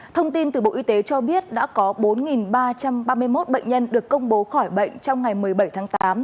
thông tin từ bộ y tế cho biết đã có bốn ba trăm ba mươi một bệnh nhân được công bố khỏi bệnh trong ngày một mươi bảy tháng tám